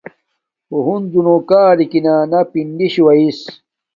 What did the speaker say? اُو ہنزو نو کارکی نانا پنڈی شُو ایس۔